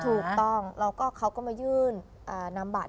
ถูกต้องแล้วก็เขาก็มายื่นนำบัตร